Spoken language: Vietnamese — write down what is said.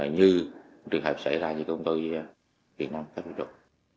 như trường hợp xảy ra trong công ty việt nam capital